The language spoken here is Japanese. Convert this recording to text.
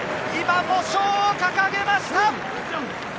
今、喪章を掲げました。